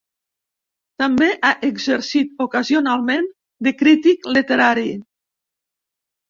També ha exercit ocasionalment de crític literari.